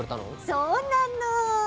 そうなの。